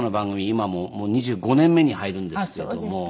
今ももう２５年目に入るんですけれども。